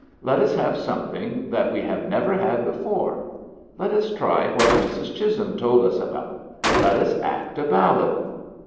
Let us have something that we have never had before. Let us try what Mrs. Chisholm told us about. Let us act a ballad."